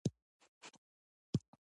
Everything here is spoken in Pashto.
ټول ظابیطان شوي وو.